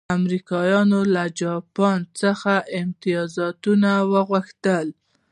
امریکایانو له جاپان څخه امتیازات وغوښتل.